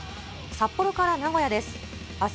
札幌から名古屋です。